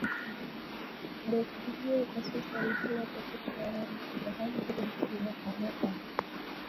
Benki hiyo kwa sasa inafanya utafiti wa awali kufahamu kuruhusiwa ama la